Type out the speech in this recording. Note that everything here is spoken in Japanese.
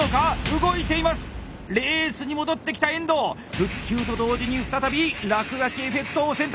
復旧と同時に再び落書きエフェクトを選択！